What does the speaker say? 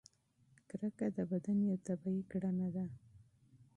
کرکه د بدن یوه طبیعي کړنه ده.